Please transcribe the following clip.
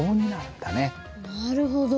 なるほど。